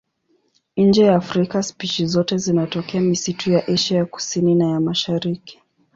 Nje ya Afrika spishi zote zinatokea misitu ya Asia ya Kusini na ya Mashariki.